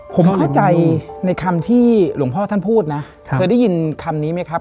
ผมเข้าใจในคำที่หลวงพ่อท่านพูดนะเคยได้ยินคำนี้ไหมครับ